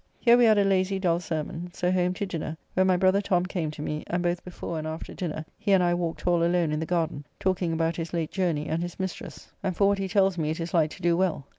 Here we had a lazy, dull sermon. So home to dinner, where my brother Tom came to me, and both before and after dinner he and I walked all alone in the garden, talking about his late journey and his mistress, and for what he tells me it is like to do well.